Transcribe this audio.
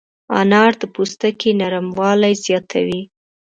انار د پوستکي نرموالی زیاتوي.